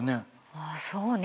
あそうね。